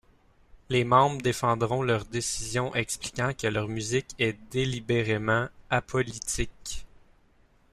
Les membres défendront leur décision expliquant que leur musique est délibérément apolitique.